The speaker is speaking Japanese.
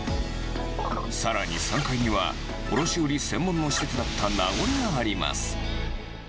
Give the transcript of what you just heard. さらに、３階には卸売り専門の施設だった名残があります。